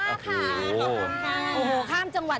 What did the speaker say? ข้ามจังหวัดจังหวัด